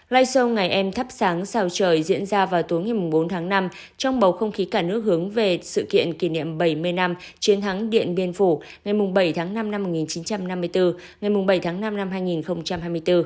lai show ngày em thắp sáng trời diễn ra vào tối ngày bốn tháng năm trong bầu không khí cả nước hướng về sự kiện kỷ niệm bảy mươi năm chiến thắng điện biên phủ ngày bảy tháng năm năm một nghìn chín trăm năm mươi bốn ngày bảy tháng năm năm hai nghìn hai mươi bốn